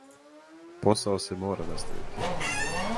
Посао се мора наставити.